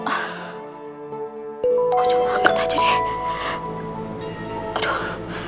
aku coba angkat aja deh